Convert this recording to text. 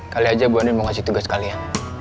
kali aja bu andien mau ngasih tugas kali ya